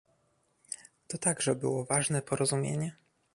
To także było ważne porozumienie